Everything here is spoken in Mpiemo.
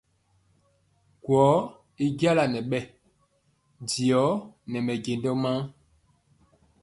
Gɔ y jala nɛɛ bɛ diɔ nɛ mɛjɛndɔ maa.